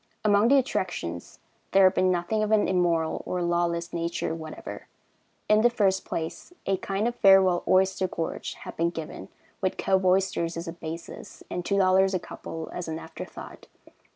Among the attractions there had been nothing of an immoral or lawless nature whatever. In the first place, a kind of farewell oyster gorge had been given, with cove oysters as a basis, and $2 a couple as an after thought.